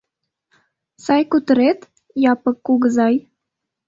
Сай кутырет, Япык кугызай?